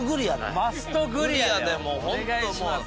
マストグリアでお願いします